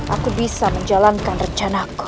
aku bisa menjalankan rencanaku